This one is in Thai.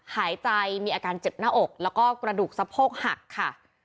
หายใจมีอาการเจ็บหน้าอกแล้วก็กระดูกสะโพกหักค่ะ